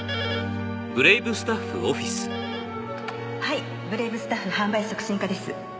はいブレイブスタッフ販売促進課です。